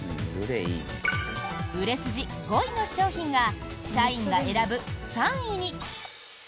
売れ筋５位の商品が社員が選ぶ３位に。